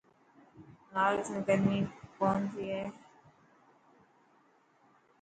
نارٿ ۾ گرمي ڪونٿي هئي.